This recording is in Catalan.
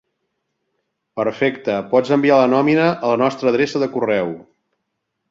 Perfecte, pots enviar la nòmina a la nostra adreça de correu.